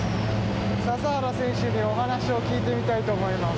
笹原選手にお話を聞いてみたいと思います。